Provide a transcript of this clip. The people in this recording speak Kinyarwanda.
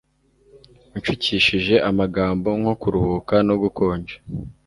wanshukishije amagambo nko kuruhuka no gukonja